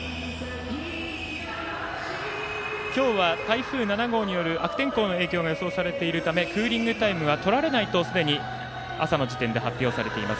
今日は台風７号による悪天候の影響が予想されているためクーリングタイムはとられないとすでに朝の時点で発表されています。